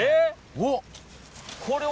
おっ！